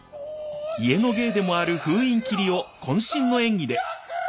家の芸でもある「封印切」を渾身の演技で！